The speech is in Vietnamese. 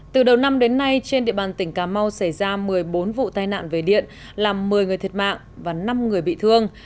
từ đầu năm đến nay trên địa bàn tỉnh cà mau xảy ra một mươi bốn vụ tai nạn về điện làm một mươi người thiệt mạng và năm người bị thương